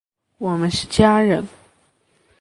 我们是家人！